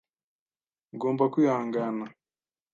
Ugomba kwihangana.